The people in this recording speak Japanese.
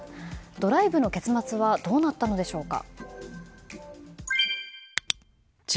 ドライブの結末はどうなったのでしょうか。